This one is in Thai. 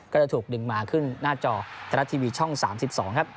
ก็จะถูกดึงมาขึ้นหน้าจอไทยรัชทีวีช่องสามสิบสองครับ